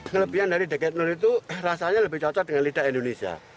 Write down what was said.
kelebihan dari daget nur itu rasanya lebih cocok dengan lidah indonesia